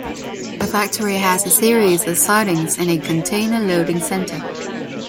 The factory has a series of sidings and a container loading centre.